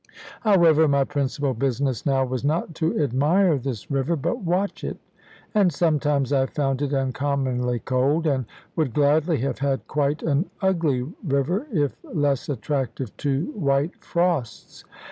However, my principal business now was not to admire this river, but watch it; and sometimes I found it uncommonly cold, and would gladly have had quite an ugly river, if less attractive to white frosts.